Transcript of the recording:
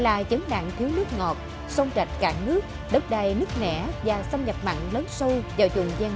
là chấn nạn thiếu nước ngọt sông rạch cả nước đất đai nước nẻ và xâm nhập mặn lớn sâu vào vùng giang